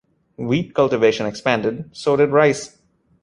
Wheat cultivation expanded, so did rice.